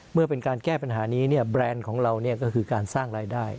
เมื่อเป็นการแก้ปัญหานี้แบรนด์ของเราก็คือการสร้างรายได้